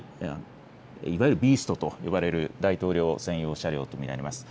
いわゆるビーストといわれる大統領専用車両と見られます。